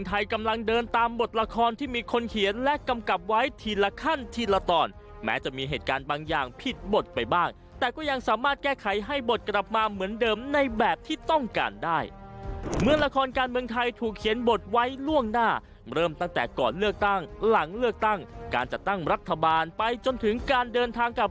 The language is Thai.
ติดตามพร้อมกันจากรายงานครับ